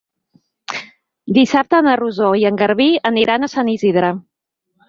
Dissabte na Rosó i en Garbí aniran a Sant Isidre.